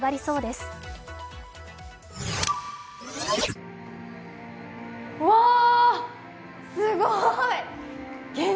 すごい！